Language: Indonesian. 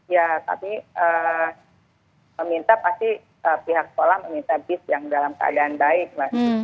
ya kami meminta pasti pihak sekolah meminta bis yang dalam keadaan baik mas